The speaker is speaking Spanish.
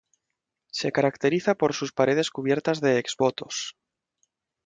Se caracteriza por sus paredes cubiertas de exvotos.